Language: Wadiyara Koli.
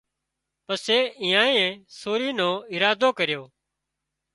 پسي ايئانئي سوري نو ارادو ڪريو